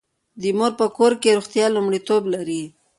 د مور په کور کې روغتیا لومړیتوب لري.